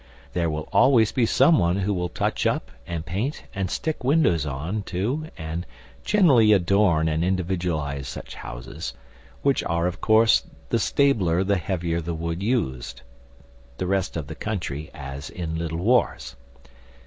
There will always be someone who will touch up and paint and stick windows on to and generally adorn and individualise such houses, which are, of course, the stabler the heavier the wood used. The rest of the country as in Little Wars.